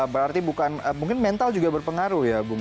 berarti bukan mungkin mental juga berpengaruh ya